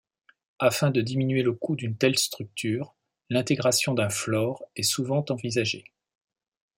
Afin de diminuer le coût d'une telle structure, l'intégration d'un floor est souvent envisagée.